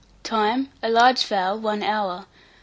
Time. A large fowl, 1 hour.